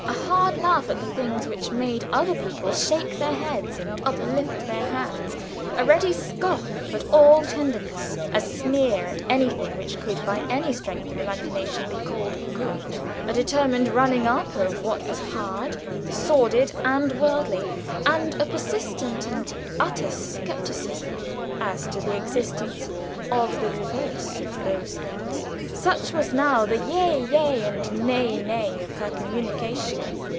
A hard laugh at the things which made other people shake their heads and uplift their hands; a ready scoff at all tenderness; a sneer at anything which could by any stretch of imagination be called good; a determined running up of what was hard, sordid, and worldly, and a persistent and utter skepticism as to the existence of the reverse of those things; such was now the yea, yea, and nay, nay, of her communication.